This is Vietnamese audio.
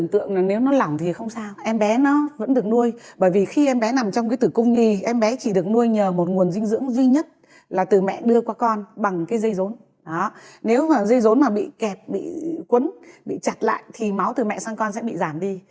dây rốn mà bị kẹp bị cuốn bị chặt lại thì máu từ mẹ sang con sẽ bị giảm đi